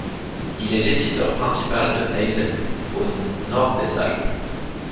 Il est l'éditeur principal de Haydn au Nord des Alpes.